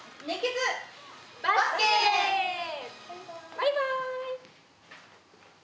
バイバイ！